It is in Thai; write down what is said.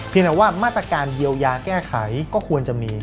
แต่ว่ามาตรการเยียวยาแก้ไขก็ควรจะมี